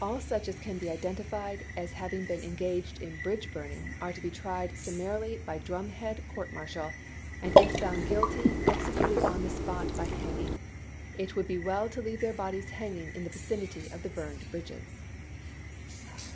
such as can be identified as having been engaged isei. "w.r. <'(=>'=' Vol. VII., in bridge burning are to be tried summaiily by ^J^^^^?^/ drumhead court martial, and if found guilty ex ^" aen!*^" ecuted on the spot by hanging. It would be well i86?.'"''w.^r. to leave their bodies hanging in the vicinity of the p." 76*. " burned bridges."